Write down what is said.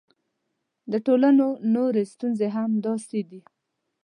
د ټولنو نورې ستونزې هم همداسې دي.